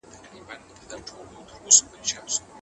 نوي لغتونه جوړ کړئ.